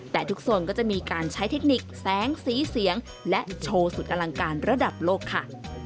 แต่ทุกโซนก็จะมีการใช้เทคนิคแสงสีเสียงและโชว์สุดอลังการระดับโลกค่ะ